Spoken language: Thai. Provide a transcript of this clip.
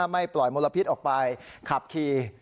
ไม่ปล่อยมลพิษออกไปขับขี่